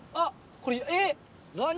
これえっ？